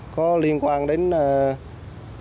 có liên quan đến công an quảng ngãi